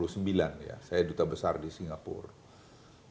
saya duta besar di singapura